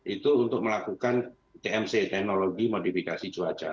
itu untuk melakukan tmc teknologi modifikasi cuaca